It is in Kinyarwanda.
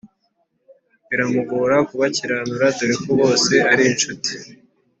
biramugora kubacyiranura dore ko bose ari inshuti